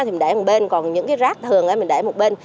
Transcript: thì mình để một bên còn những cái rác thường ấy mình để một bên